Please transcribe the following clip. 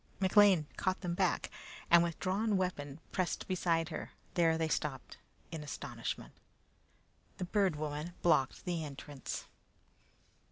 McLean caught them back, and with drawn weapon, pressed beside her. There they stopped in astonishment. The Bird Woman blocked the entrance.